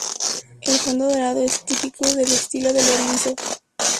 El fondo dorado es típico del estilo de Lorenzo.